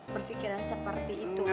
berfikiran seperti itu kan